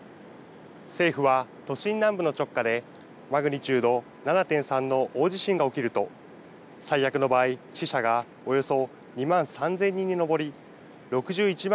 政府は都心南部の直下でマグニチュード７．３の大地震が起きると最悪の場合、死者がおよそ２万３０００人に上り６１万